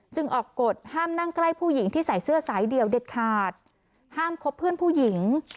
ออกกฎห้ามนั่งใกล้ผู้หญิงที่ใส่เสื้อสายเดี่ยวเด็ดขาดห้ามคบเพื่อนผู้หญิง